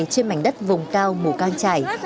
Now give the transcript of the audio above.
trên mảnh đất vùng cao mùa cao trải